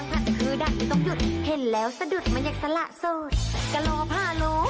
น่ารักน้าฝรรณากอดก็ที่หนูมายอดเพราะไม่ยากโสด